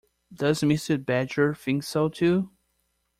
Does Mr. Badger think so too?